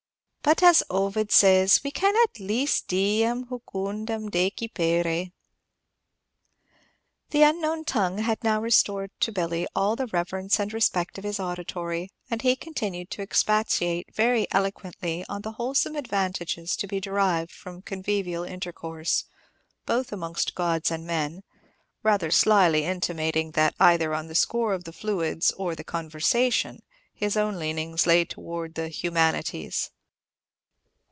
But, as Ovid says, we can at least diem jucundam decipere." The unknown tongue had now restored to Billy all the reverence and respect of his auditory, and he continued to expatiate very eloquently on the wholesome advantages to be derived from convivial intercourse, both amongst gods and men; rather slyly intimating that either on the score of the fluids, or the conversation, his own leanings lay towards "the humanities."